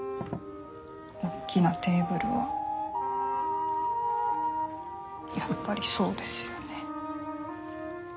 大きなテーブルはやっぱりそうですよね。